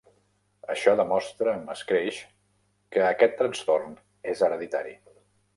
Això demostra amb escreix que aquest trastorn és hereditari.